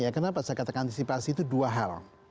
kenapa saya katakan antisipasi itu dua hal